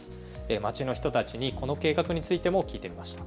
街の人たちにこの計画についても聞いてみました。